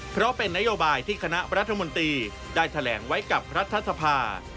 เพราะเป็นนโยบายที่คณะรัฐมนตรีได้แถลงไว้กับรัฐสภา